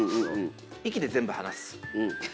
息で全部話す。